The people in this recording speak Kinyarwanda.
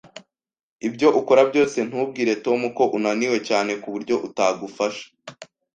Ibyo ukora byose, ntubwire Tom ko unaniwe cyane kuburyo utagufasha.